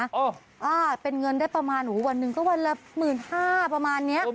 อ่าเป็นเงินได้ประมาณหนูวันหนึ่งก็วันละหมื่นห้าประมาณเนี้ย